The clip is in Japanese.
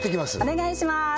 お願いします